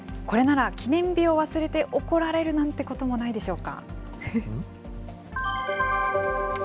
これなら記念日を忘れて怒られるなんてこともないでしょうか。